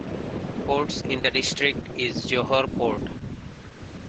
Ports in the district is Johor Port.